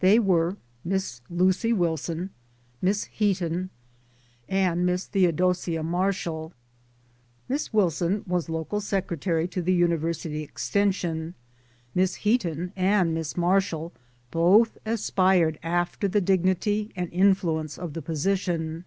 They were Miss Lucy Wilson, Miss Heaton, and Miss Theodosia Marshall. Miss Wilson was Local Secretary to the University Extension ; Miss Heaton and Miss Marshall both aspired after the dignity and in fluence of the position.